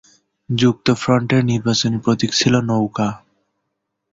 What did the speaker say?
যুক্তফ্রন্টের নির্বাচনী প্রতীক ছিল 'নৌকা'।